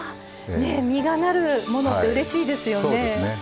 実がなるものってうれしいですよね。